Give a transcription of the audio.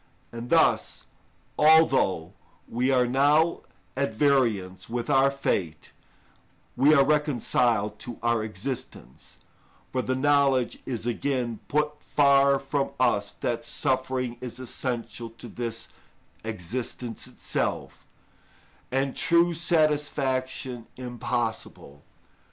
And thus, although we are now at variance with our fate, we are reconciled to our existence, for the knowledge is again put far from us that suffering is essential to this existence itself, and true satisfaction impossible.